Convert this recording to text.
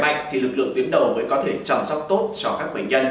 bởi phải thực sự khỏe mạnh thì lực lượng tuyến đầu mới có thể chăm sóc tốt cho các bệnh nhân